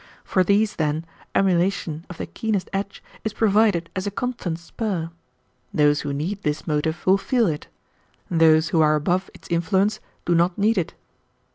For these, then, emulation of the keenest edge is provided as a constant spur. Those who need this motive will feel it. Those who are above its influence do not need it.